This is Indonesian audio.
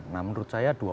nah menurut saya dua hal